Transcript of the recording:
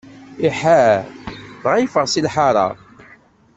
Iḥar, dɣa yeffeɣ seg lḥaṛa.